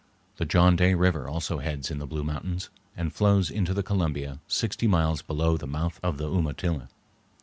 The John Day River also heads in the Blue Mountains, and flows into the Columbia sixty miles below the mouth of the Umatilla.